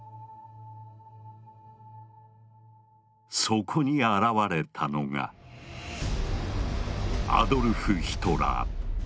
そこに現れたのがアドルフ・ヒトラー。